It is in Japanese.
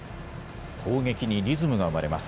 攻撃にリズムが生まれます。